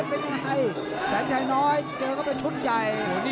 เสียงใจน้อยเจอก็ไปชุดใหญ่